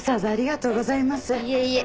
いえいえ。